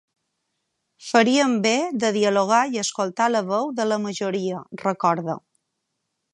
Farien bé de dialogar i escoltar la veu de la majoria, recorda.